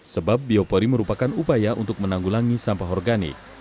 sebab biopori merupakan upaya untuk menanggulangi sampah organik